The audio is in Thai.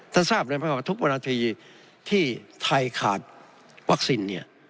ทนทราบเลยว่าทุกประมาททีที่ไทยขาดวัคซินเนี่ย